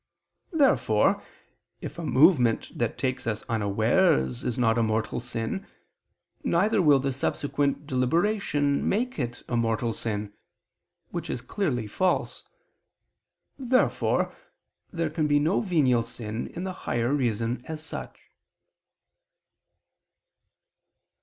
Therefore if a movement that takes us unawares is not a mortal sin, neither will the subsequent deliberation make it a mortal sin; which is clearly false. Therefore there can be no venial sin in the higher reason as such.